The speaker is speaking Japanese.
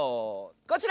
こちら！